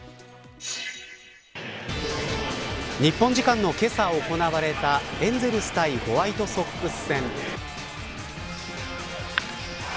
日本時間のけさ行われたエンゼルス対ホワイトソックス戦。